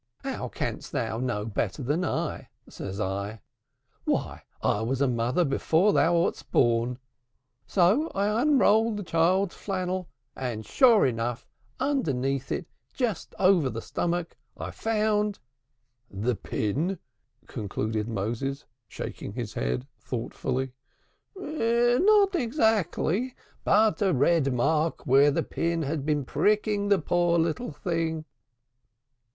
'How canst thou know better than I?' says I. 'Why, I was a mother before thou wast born.' So I unrolled the child's flannel, and sure enough underneath it just over the stomach I found " "The pin," concluded Moses, shaking his head gravely. "No, not exactly. But a red mark where the pin had been pricking the poor little thing."